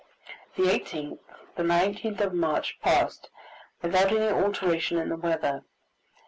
The 18th, the 19th of March passed without any alteration in the weather.